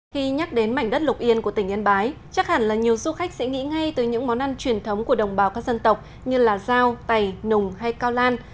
khi nhắc đến mảnh đất lục yên của tỉnh yên bái chắc hẳn là nhiều du khách sẽ nghĩ ngay từ những món ăn truyền thống của đồng bào các dân tộc như là dao tày nùng hay cao lan